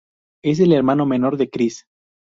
Es el hermano menor de Chris.